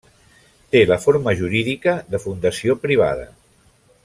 Té la forma jurídica de fundació privada.